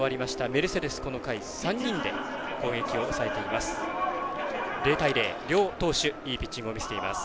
メルセデス、この回３人で攻撃を抑えています。